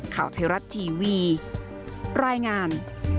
ข่าวไทยรัฐทีวีรายงาน